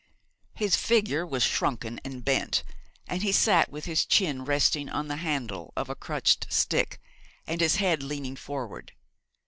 His figure was shrunken and bent, and he sat with his chin resting on the handle of a crutched stick, and his head leaning forward.